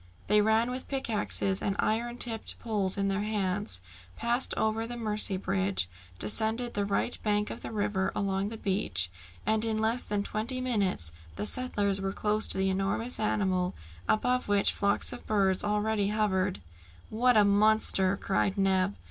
They ran with pick axes and iron tipped poles in their hands, passed over the Mercy bridge, descended the right bank of the river, along the beach, and in less than twenty minutes the settlers were close to the enormous animal, above which flocks of birds already hovered. "What a monster!" cried Neb.